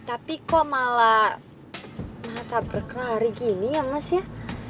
tapi kok malah tabrak lari gini ya mas ya